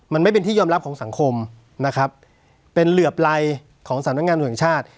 มันไม่เป็นที่ยอมรับของสังคมนะครับเป็นเหลือบไรของสำนักงานตรวจแห่งชาติ